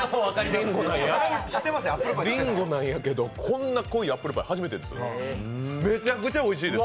りんごなやけど、こんな濃いアップルパイ、初めてです。